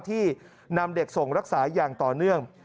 ที่นำเด็กส่งรักษาอย่างต่อเนื่อง